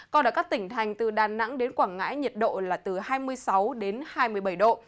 còn ở các tỉnh thành từ đà nẵng đến quảng ngãi nhiệt độ là từ hai mươi sáu đến hai mươi bảy độ